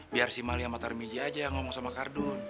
biar si mali sama tarmi ji aja yang ngomong sama kardun